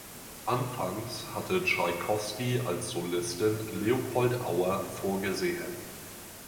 Anfangs hatte Tschaikowski als Solisten Leopold Auer vorgesehen.